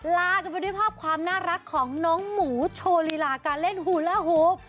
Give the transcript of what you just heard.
ลากันไปด้วยภาพความน่ารักของน้องหมูโชว์ลีลาการเล่นฮูลาฮูฟ